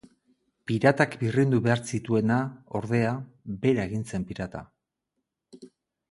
Piratak birrindu behar zituena, ordea, bera egin zen pirata.